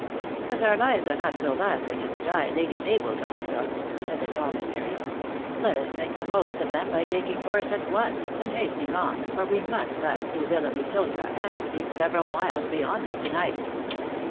As onr lives are not so lasting as the dye Lady Mabel talks of," said the commissary, " let ns make the most of them by taking horse at once, and hasten ing on, for we must pass through Villa Vicosa, and sleep several miles beyond it to night."